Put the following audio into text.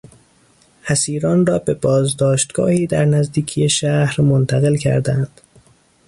اسیران را به بازداشتگاهی در نزدیکی شهر منتقل کردند.